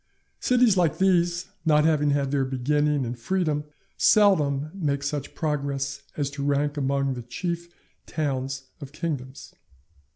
Cities like these, not having had their beginning in freedom, seldom make such progress as to rank among the chief towns of kingdoms.